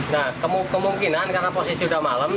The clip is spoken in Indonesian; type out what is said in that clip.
nah kemungkinan karena posisi sudah malam